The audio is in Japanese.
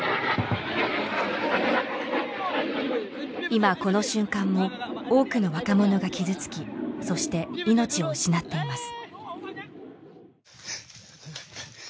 今この瞬間も多くの若者が傷つきそして命を失っています